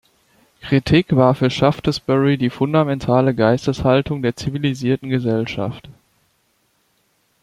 Kritik war für Shaftesbury die fundamentale Geisteshaltung der zivilisierten Gesellschaft.